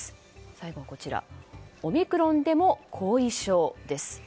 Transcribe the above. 最後はオミクロンでも後遺症です。